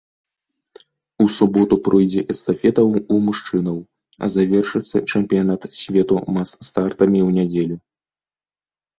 У суботу пройдзе эстафета ў мужчынаў, а завершыцца чэмпіянат свету мас-стартамі ў нядзелю.